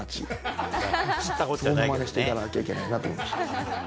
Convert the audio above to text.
そこもまねしていかなきゃいけないなと思いました。